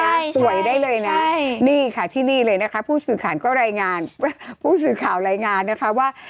สวยได้เลยนะนี่ค่ะที่นี่เลยนะคะผู้สื่อข่าวก็รายงานผู้สื่อข่าวรายงานนะคะว่า